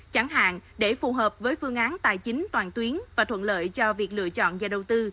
chẳng hạn để phù hợp với phương án tài chính toàn tuyến và thuận lợi cho việc lựa chọn nhà đầu tư